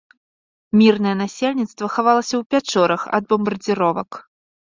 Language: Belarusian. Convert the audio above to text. Мірнае насельніцтва хавалася ў пячорах ад бамбардзіровак.